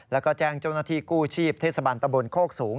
แล้วก็แจ้งเจ้าหน้าที่กู้ชีพเทศบันตะบนโคกสูง